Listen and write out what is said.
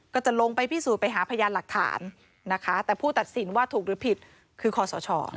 ก็จะลงไปพิสูจน์ไปหาพยานหลักฐานนะคะแต่ผู้ตัดสินว่าถูกหรือผิดคือคอสช